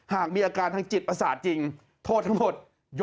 หากมีอาการทางจิตประสาทจริงโทษทั้งหมด